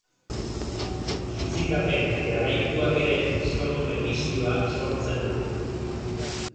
Kitzikapen jarraituak ere soinu emisioa sortzen du.